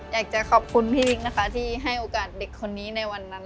อยากจะขอบคุณพี่นะคะที่ให้โอกาสเด็กคนนี้ในวันนั้น